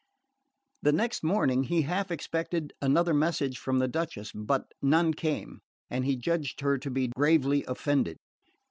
The next morning he half expected another message from the Duchess; but none came, and he judged her to be gravely offended.